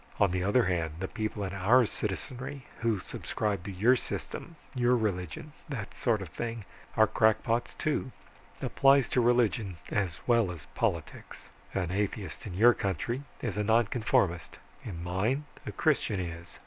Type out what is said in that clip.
On the other hand, the people in our citizenry who subscribe to your system, your religion, that sort of thing, are crackpots, too. Applies to religion as well as politics. An atheist in your country is a nonconformist in mine, a Christian is.